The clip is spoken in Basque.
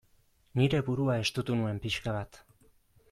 Nire burua estutu nuen pixka bat.